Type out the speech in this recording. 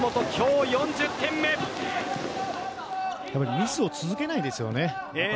ミスを続けないですよね。